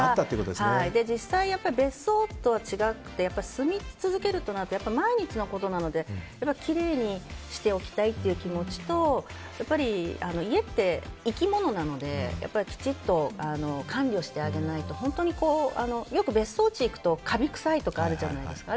実際、別荘とは違って住み続けるとなると毎日のことなのできれいにしておきたいっていう気持ちと家って生き物なのでやっぱりきちっと管理をしてあげないと本当によく別荘地に行くとかび臭いとかあるじゃないですか。